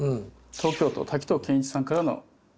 東京都滝藤賢一さんからのお悩み。